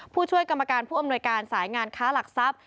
ผู้ช่วยกรรมการผู้อำนวยการสายงานค้าหลักทรัพย์